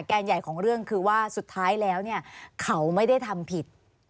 นใหญ่ของเรื่องคือว่าสุดท้ายแล้วเนี่ยเขาไม่ได้ทำผิด